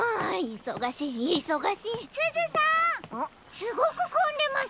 すごくこんでますね？